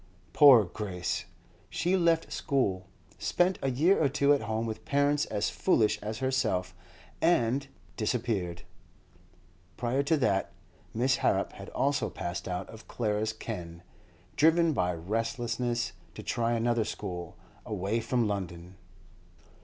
Poor Grace! She left school, spent a year or two at home with parents as foolish as herself, and—disappeared. Prior to that, Miss Harrop had also passed out of Clara's ken, driven by restlessness to try another school, away from London.